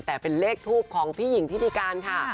แต่เป็นเลขทูปของพี่หญิงพิธีการค่ะ